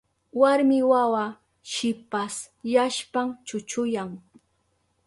Warmi wawa shipasyashpan chuchuyan.